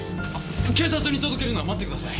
警察に届けるのは待ってください。